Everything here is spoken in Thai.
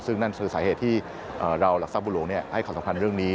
ซึ่งนั่นคือสาเหตุที่เราหลักทรัพย์บุหลวงให้ความสำคัญเรื่องนี้